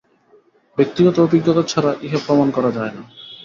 ব্যক্তিগত অভিজ্ঞতা ছাড়া ইহা প্রমাণ করা যায় না।